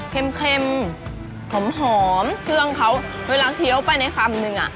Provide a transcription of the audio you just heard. เค็มหอมเครื่องเขาเวลาเคี้ยวไปในคำนึงอ่ะ